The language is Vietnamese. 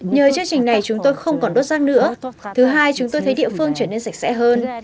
nhờ chương trình này chúng tôi không còn đốt rác nữa thứ hai chúng tôi thấy địa phương trở nên sạch sẽ hơn